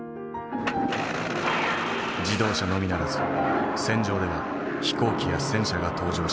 自動車のみならず戦場では飛行機や戦車が登場していた。